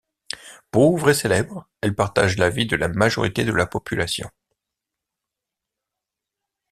Pauvre et célèbre, elle partage la vie de la majorité de la population.